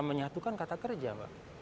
menyatukan kata kerja mbak